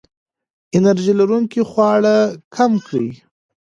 انرژي لرونکي خواړه کم کړئ.